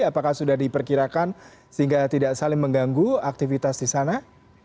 apakah sudah diperkirakan sehingga tidak saling mengganggu aktivitas disana